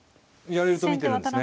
やれると見ているんですね。